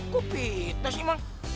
kok fitnah sih emang